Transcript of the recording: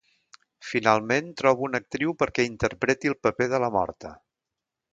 Finalment, troba una actriu perquè interpreti el paper de la morta.